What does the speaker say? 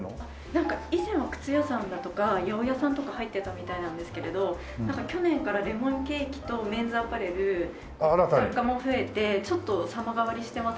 なんか以前は靴屋さんだとか八百屋さんとか入ってたみたいなんですけれど去年からレモンケーキとメンズアパレル雑貨も増えてちょっと様変わりしてますね。